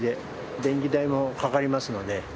電気代もかかりますので。